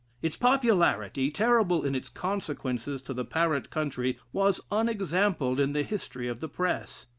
Its popularity, terrible in its consequences to the parent country, was unexampled in the history of the press.